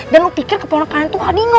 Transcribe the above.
dan lo pikir keponakannya tuh adino